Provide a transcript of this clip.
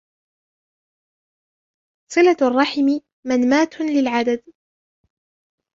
صِلَةُ الرَّحِمِ مَنْمَاةٌ لَلْعَدَدِ